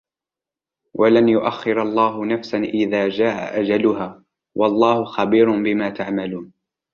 ولن يؤخر الله نفسا إذا جاء أجلها والله خبير بما تعملون